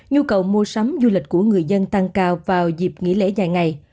nhu cầu mua sắm du lịch của người dân tăng cao vào dịp nghỉ lễ dài ngày